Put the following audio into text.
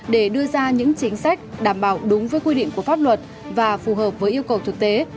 để đưa ra những chính sách đảm bảo đúng với quy định của pháp luật và phù hợp với yêu cầu thực tế